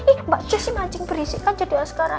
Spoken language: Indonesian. ih mbak jess sih macing berisik kan jadinya sekarang